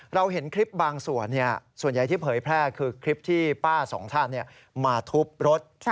เราเห็นคลิปบางส่วนส่วนใหญ่ที่เผยแพร่คือคลิปที่ป้าสองท่านมาทุบรถ